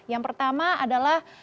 yang pertama adalah